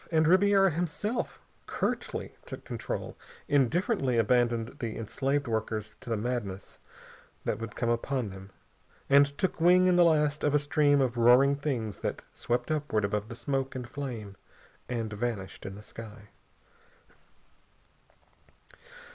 And Ribiera himself curtly took control, indifferently abandoned the enslaved workers to the madness that would come upon them, and took wing in the last of a stream of roaring things that swept upward above the smoke and flame and vanished in the sky.